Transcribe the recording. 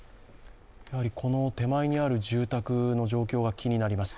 この手前にある住宅の状況が気になります。